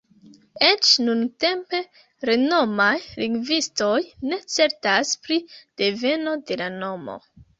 Eĉ nuntempe renomaj lingvistoj ne certas pri deveno de la nomo.